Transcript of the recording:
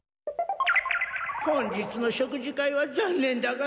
本日の食事会は残念だが欠席。